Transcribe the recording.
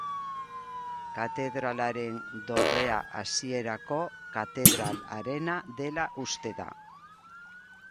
Katedralaren dorrea hasierako katedral harena dela uste da.